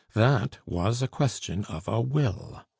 That was a question of a will.